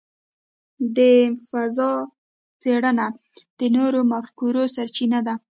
د فضاء څېړنه د نوو مفکورو سرچینه ده.